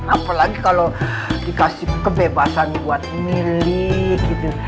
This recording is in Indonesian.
apalagi kalau dikasih kebebasan buat milik gitu